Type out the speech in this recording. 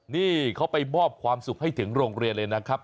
นี่เขาไปมอบความสุขให้ถึงโรงเรียนเลยนะครับ